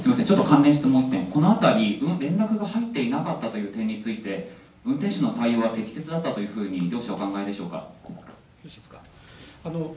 関連してもう一点、この辺り、連絡が入っていなかったという点について運転手の対応は適切だったというふうにお考えでしょうか。